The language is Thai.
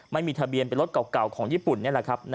ไม่มีทะเบียนเป็นรถเก่าของญี่ปุ่นนี่แหละครับ